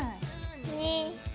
２。